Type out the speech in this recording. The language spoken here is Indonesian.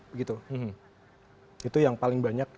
begitu itu yang paling banyak